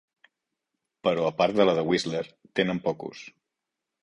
Però a part de la de Whistler, tenen poc ús.